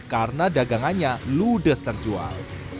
karena dagangannya ludes terjual